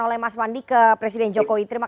oleh mas wandi ke presiden jokowi